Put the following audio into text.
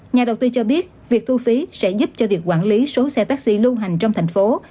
nhà đầu tư cho biết việc thu phí sẽ giúp cho việc quản lý số xe taxi lưu hành trong thành phố